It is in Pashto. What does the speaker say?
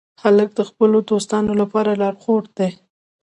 هلک د خپلو دوستانو لپاره لارښود دی.